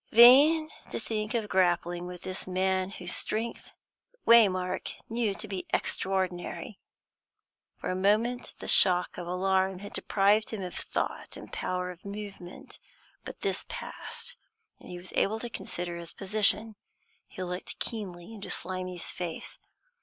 Vain to think of grappling with the man, whose strength Waymark knew to be extraordinary. For a moment, the shock of alarm had deprived him of thought and power of movement; but this passed, and he was able to consider his position. He looked keenly into Slimy's face.